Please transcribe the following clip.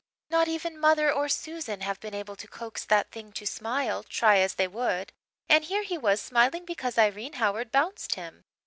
Not even mother or Susan have been able to coax that thing to smile, try as they would. And here he was smiling because Irene Howard bounced him!